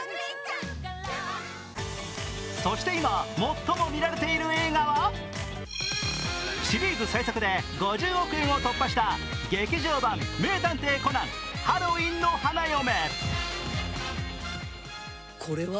そして今、最も見られている映画はシリーズ最速で５０億円を突破した劇場版「名探偵コナンハロウィンの花嫁」